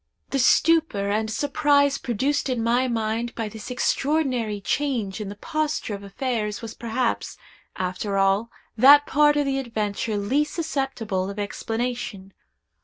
"The stupor and surprise produced in my mind by this extraordinary change in the posture of affairs was perhaps, after all, that part of the adventure least susceptible of explanation.